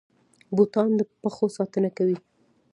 بوټان د پښو ساتنه کوي